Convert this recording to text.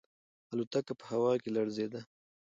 الوتکه په هوا کې لړزیده.